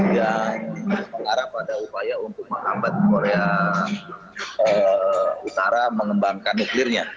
yang mengarah pada upaya untuk menghambat korea utara mengembangkan nuklirnya